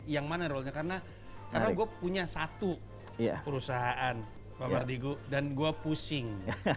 yang mana role nya karena gue punya satu perusahaan pak mardigu dan gue pusing